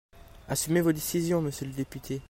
Assumez vos décisions, monsieur le député.